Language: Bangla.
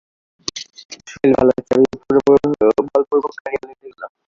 শৈলবালার চাবি বলপূর্বক কাড়িয়া লইতে গেল।